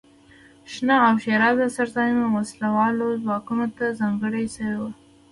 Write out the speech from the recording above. شنه او ښېرازه څړځایونه وسله والو ځواکونو ته ځانګړي شوي وو.